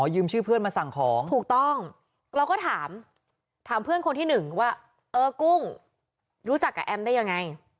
อ๋อยืมชื่อเพื่อนมาสั่งของ